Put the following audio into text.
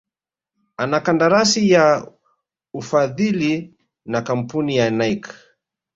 ana kandarasi ya ufadhili na kamapuni ya Nike